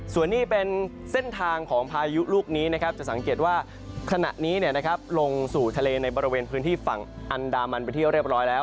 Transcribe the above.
ส่วนนี้เป็นเส้นทางของพายุลูกนี้นะครับจะสังเกตว่าขณะนี้ลงสู่ทะเลในบริเวณพื้นที่ฝั่งอันดามันไปที่เรียบร้อยแล้ว